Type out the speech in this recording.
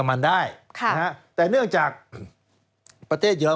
สวัสดีค่ะต้อนรับคุณบุษฎี